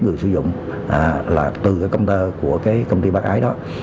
người sử dụng là từ cái công ty bắt ái đó